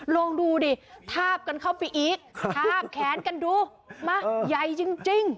ลองดูดิทาบกันเข้าไปอีกทาบแขนกันดูมะใหญ่จริง